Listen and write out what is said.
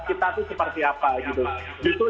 kita itu seperti apa gitu